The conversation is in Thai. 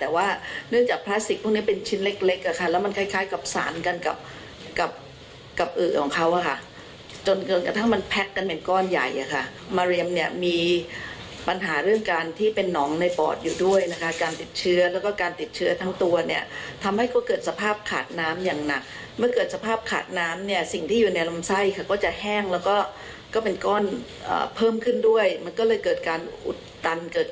แต่ว่าเนื่องจากพลาสติกพวกนี้เป็นชิ้นเล็กอ่ะค่ะแล้วมันคล้ายกับสารกันกับอื่นของเขาอ่ะค่ะจนกระทั่งมันแพ็คกันเป็นก้อนใหญ่อ่ะค่ะมาเรียมเนี่ยมีปัญหาเรื่องการที่เป็นน้องในปอดอยู่ด้วยนะคะการติดเชื้อแล้วก็การติดเชื้อทั้งตัวเนี่ยทำให้ก็เกิดสภาพขาดน้ำอย่างหนักเมื่อเกิดสภาพขาด